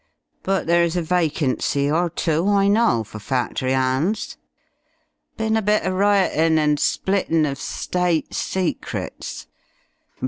But there's a vacancy or two, I know, for factory 'ands. Bin a bit of riotin' an' splittin' uv state secrets.